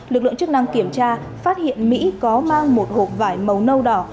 lực lượng chức năng kiểm tra phát hiện mỹ có mang một hộp vải màu nâu đỏ